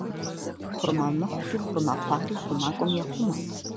Хъурмэ мыхъури, хъурмэ хъуари хъумакӏуэм ехъумэ.